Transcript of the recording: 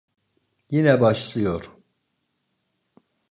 Yine başlıyor.